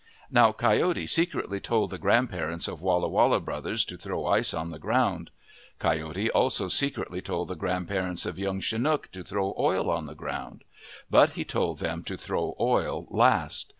Now Coyote secretly told the grandparents of Walla Walla brothers to throw ice on the ground. Coyote also secretly told the grandparents of Young Chinook to throw oil on the ground. But he told them to throw oil last.